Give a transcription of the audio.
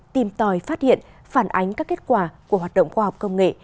tìm tòi phát hiện phản ánh các kết quả của hoạt động khoa học công nghệ